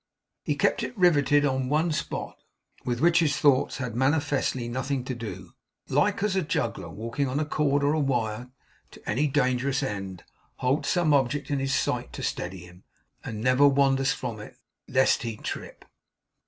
He kept it riveted on one spot, with which his thoughts had manifestly nothing to do; like as a juggler walking on a cord or wire to any dangerous end, holds some object in his sight to steady him, and never wanders from it, lest he trip.